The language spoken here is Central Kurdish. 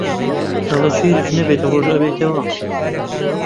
کەڵەشێریش نەبێت ڕۆژ ئەبێتەوە